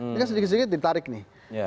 ini kan sedikit sedikit ditarik nih